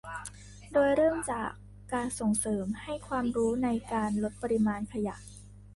โดยเริ่มจากการส่งเสริมให้ความรู้ในการลดปริมาณขยะ